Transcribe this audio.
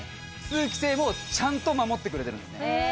通気性もちゃんと守ってくれてるんですねへえ